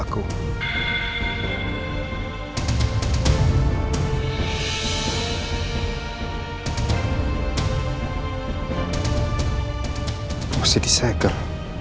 aku masih di seger